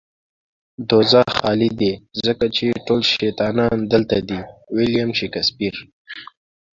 دوزخ خالی دی ځکه چې ټول شيطانان دلته دي. ويلييم شکسپير